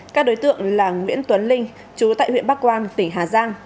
các đối tượng là nguyễn tuấn linh chú tại huyện bắc quang tỉnh hà giang